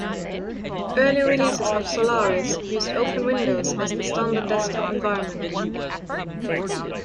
Early releases of Solaris used OpenWindows as the standard desktop environment.